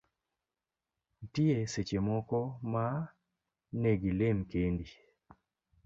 Nitie seche moko ma nego ilem kendi